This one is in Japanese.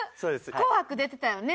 『紅白』出てたよね？